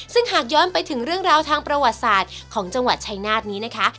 ซึ่งหากย้อนไปถึงเรื่องราวทางประวัติศาสตร์ของจังหวัดชายนาฏนี้นะคะ